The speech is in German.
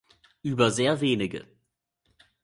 Über sehr wenige.